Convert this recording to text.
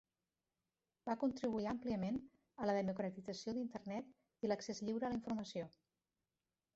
Va contribuir àmpliament a la democratització d'Internet i l'accés lliure a la informació.